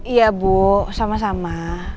iya bu sama sama